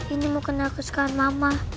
ini mukena kesukaan mama